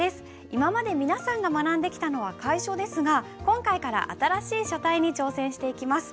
今まで皆さんが学んできたのは楷書ですが今回から新しい書体に挑戦していきます。